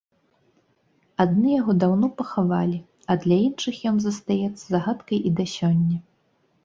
Адны яго даўно пахавалі, а для іншых ён застаецца загадкай і да сёння.